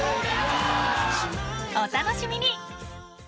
［お楽しみに！］